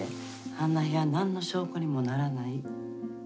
あんな部屋なんの証拠にもならない。